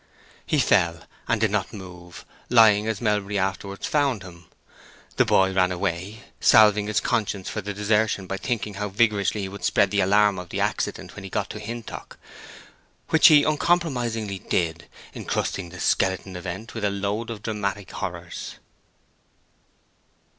He fell, and did not move, lying as Melbury afterwards found him. The boy ran away, salving his conscience for the desertion by thinking how vigorously he would spread the alarm of the accident when he got to Hintock—which he uncompromisingly did, incrusting the skeleton event with a load of dramatic horrors.